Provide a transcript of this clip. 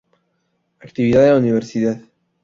Actividad en la universidad.